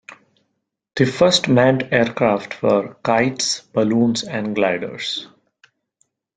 The first manned aircraft were kites, balloons and gliders.